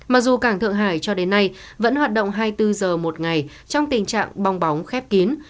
mặc dù cảng thượng hải cho đến nay vẫn hoạt động hai mươi bốn giờ một ngày trong tình trạng bong bóng khép kín